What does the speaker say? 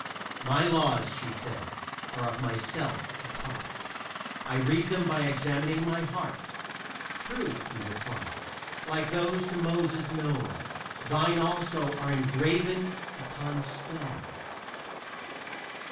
"My laws," she said, "are of myself a part: I read them by examining my heart." "True," he replied; "like those to Moses known, Thine also are engraven upon stone."